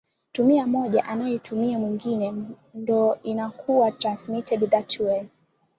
tumia moja anaitumia mwengine ndoo inakuwa transmitted that way